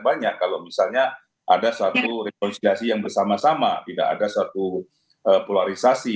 banyak kalau misalnya ada satu rekonsiliasi yang bersama sama tidak ada satu polarisasi